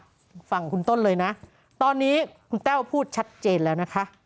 ฟังคุณต้นเลยนะตอนนี้คุณแต้วพูดชัดเจนแล้วนะคะ